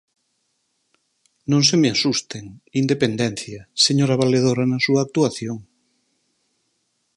¡Non se me asusten!, independencia, señora valedora, na súa actuación.